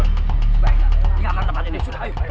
ya silakan menikmati hidangan ini